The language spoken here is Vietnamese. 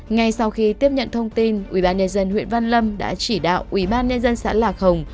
ngay sau khi tiếp nhận thông tin ủy ban nhân dân huyện văn lâm đã chỉ đạo ủy ban nhân dân xã lạc hồng